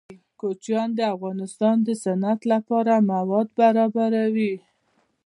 کوچیان د افغانستان د صنعت لپاره مواد برابروي.